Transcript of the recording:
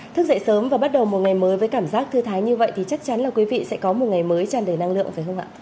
thức dậy sớm và bắt đầu một ngày mới với cảm giác thư thái như vậy thì chắc chắn là quý vị sẽ có một ngày mới tràn đầy năng lượng phải không ạ